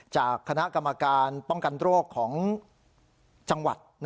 จากคณะกรรมการป้องกันโรคของจังหวัด